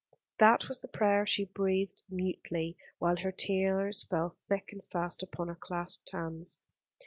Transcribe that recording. That was the prayer she breathed mutely, while her tears fell thick and fast upon her clasped hands.